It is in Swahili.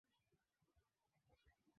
serikali hiyo itagharimu taifa hilo